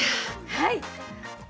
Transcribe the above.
はい。